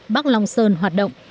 bác long sơn hoạt động